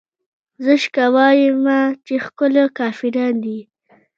زه شکه وايمه چې ښکلې کافران دي